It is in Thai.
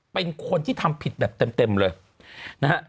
เป็นคนที่ทำผิดแบบเต็มเลยนะฮะ